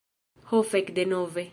Ho fek' denove!